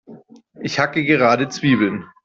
Ich hacke gerade Zwiebeln.